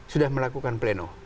sudah melakukan pleno